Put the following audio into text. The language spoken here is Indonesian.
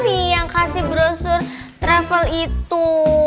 mami yang ngasih browser travel itu